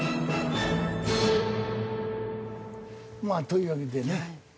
まあというわけでね。